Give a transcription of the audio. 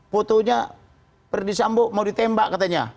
fotonya perdisi ambo mau ditembak katanya